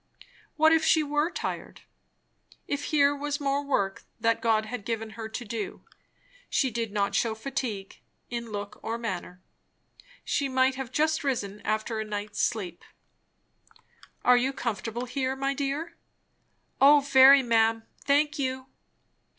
What if she were tired? if here was more work that God had given her to do. She did not shew fatigue, in look or manner. She might have just risen after a night's sleep. "Are you comfortable here, my dear?" "O very, ma'am, thank you."